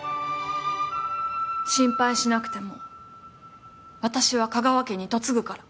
心配しなくても私は香川家に嫁ぐから。